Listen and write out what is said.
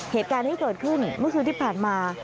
เหตุการณ์ที่เกิดขึ้นเมื่อคืนที่ผ่านมา